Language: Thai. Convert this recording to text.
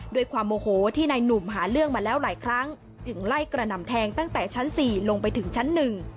ด้วยความโมโหที่นายหนุ่มหาเรื่องมาแล้วหลายครั้งจึงไล่กระหน่ำแทงตั้งแต่ชั้น๔ลงไปถึงชั้นหนึ่ง